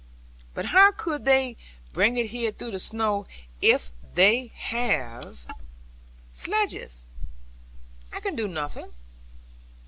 'But how could they bring it here through the snow? If they have sledges, I can do nothing.'